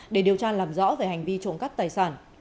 để điều tra làm rõ về hành vi trộm cắp tài sản